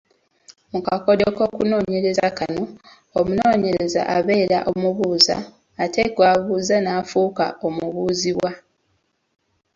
Mu kakodyo k’okunoonyereza kano, omunoonyereza abeera, omubuuza, ate gw’abuuza n’afuuka omubuuzibwa.